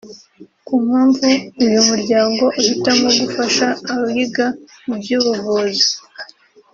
Ku mpamvu uyu muryango uhitamo gufasha abiga iby’ubuvuzi